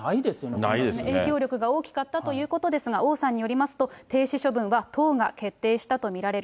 それだけ影響力が大きかったということですが、王さんによりますと、停止処分は党が決定したと見られる。